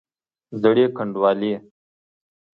زړې ګنډوالې!